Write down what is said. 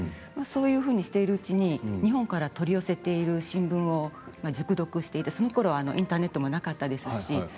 そういうふうにしているうちに日本から取り寄せている新聞を熟読していて、そのころはインターネットもなかったですし。